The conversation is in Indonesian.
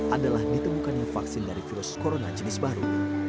adalah ditemukan yang vaksin dari virus corona jenis baru